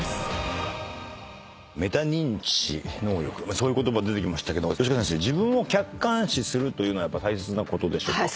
そういう言葉出てきましたけど吉川先生自分を客観視するのはやっぱ大切なことでしょうか？